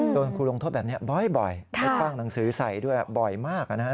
โดนคุณลงโทษแบบนี้บ่อยบ้างหนังสือใสด้วยบ่อยมาก